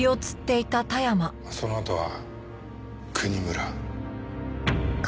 そのあとは国村。